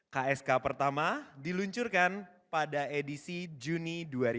ksk pertama diluncurkan pada edisi juni dua ribu dua puluh